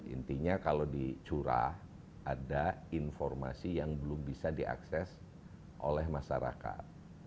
intinya kalau dicurah ada informasi yang belum bisa diakses oleh masyarakat